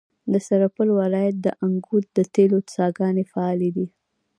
د سرپل ولایت د انګوت د تیلو څاګانې فعالې دي.